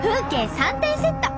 ３点セット。